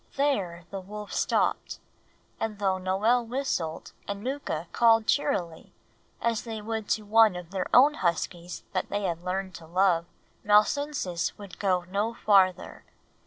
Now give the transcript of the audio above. There the wolf stopped; and though Noel whistled and Mooka called cheerily, as they would to one of their own huskies that they had learned to love, Malsunsis would go no farther.